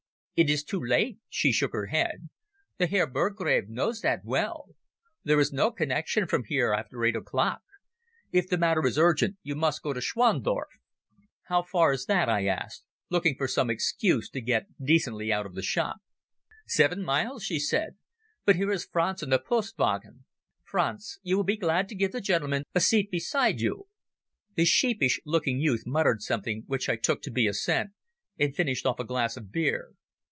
"It is too late," she shook her head. "The Herr Burgrave knows that well. There is no connection from here after eight o'clock. If the matter is urgent you must go to Schwandorf." "How far is that?" I asked, looking for some excuse to get decently out of the shop. "Seven miles," she said, "but here is Franz and the post wagon. Franz, you will be glad to give the gentleman a seat beside you." The sheepish looking youth muttered something which I took to be assent, and finished off a glass of beer.